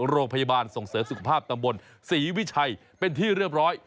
โรงพยาบาลส่งเสริมสุขภาพตำบลศรีวิชัยเป็นที่เรียบร้อย